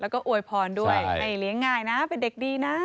แล้วก็อวยพรด้วยให้เลี้ยงง่ายนะเป็นเด็กดีนะ